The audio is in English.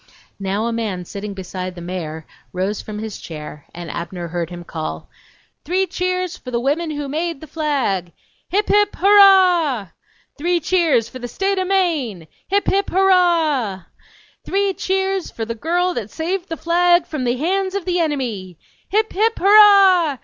Now a man sitting beside the mayor rose from his chair and Abner heard him call: "Three cheers for the women who made the flag!" "HIP, HIP, HURRAH!" "Three cheers for the State of Maine!" "HIP, HIP, HURRAH!" "Three cheers for the girl that saved the flag from the hands of the enemy!" "HIP, HIP, HURRAH!